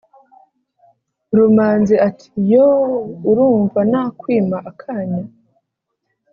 rumanzi ati"yooooh urumva nakwima akanya"